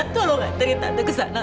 tolong anterin tante ke sana